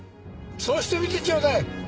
そうしてみてちょうだい。